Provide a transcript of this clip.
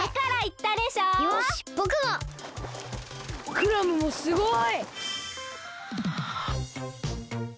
クラムもすごい！